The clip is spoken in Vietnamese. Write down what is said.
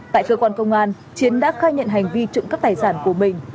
tại cơ quan công an chiến đã khai nhận hành vi trộm cắp tài sản của mình